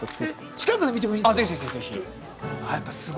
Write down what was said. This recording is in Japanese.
近くで見てもいいんですか？